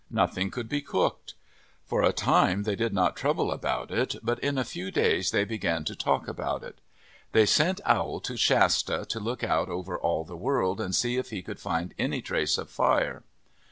Nothing could be cooked. For a time they did not trouble about it, but in a few days they began to talk about it. They sent Owl to Shasta to look out all over the world and see if he could find any trace of fire.